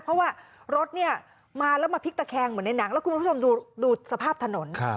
เพราะว่ารถเนี่ยมาแล้วมาพลิกตะแคงเหมือนในหนังแล้วคุณผู้ชมดูสภาพถนน